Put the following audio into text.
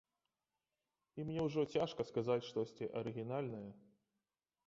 І мне ўжо цяжка сказаць штосьці арыгінальнае.